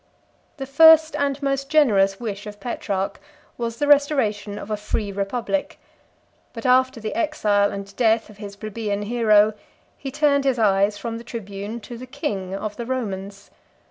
] The first and most generous wish of Petrarch was the restoration of a free republic; but after the exile and death of his plebeian hero, he turned his eyes from the tribune, to the king, of the Romans.